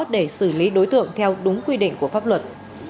để xử lý đối tượng theo đúng quy định của pháp luật